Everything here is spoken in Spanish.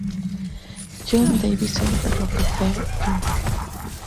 John Davison Rockefeller, Jr.